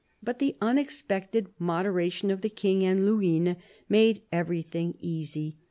But the unexpected moderation of the King and Luynes made everything easy.